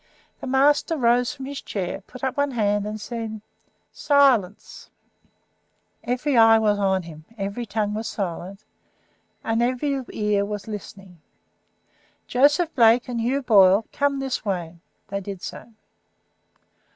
The master rose from the chair, put up one hand, and said: "Silence!" Every eye was on him, every tongue was silent, and every ear was listening, "Joseph Blake and Hugh Boyle, come this way." They did so.